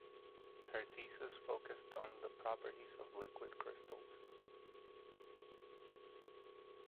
Her thesis focused on the properties of liquid crystals.